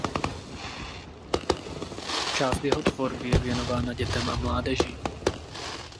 Část jeho tvorby je věnována dětem a mládeži.